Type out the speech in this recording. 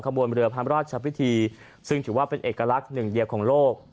คบวนบริมภรรยามราชวิธีซึ่งถือว่าเป็นเอกลักษณ์หนึ่งเหลี่ยวของโลก